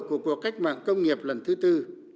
của cuộc cách mạng công nghiệp lần thứ tư